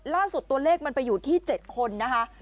ล่าสุดตัวเลขมันไปอยู่ที่๗คนนะคะ